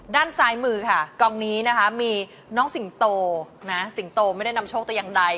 ด้านซ้ายมือค่ะกองนี้นะคะมีน้องสิงโตนะสิงโตไม่ได้นำโชคแต่อย่างใด